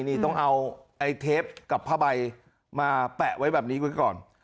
นี่ต้องเอาไอ้เทปกับผ้าใบมาแปะไว้แบบนี้ไว้ก่อน